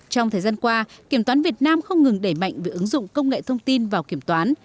trong thời gian qua kiểm toán việt nam không ngừng đẩy mạnh việc ứng dụng công nghệ thông tin vào kiểm toán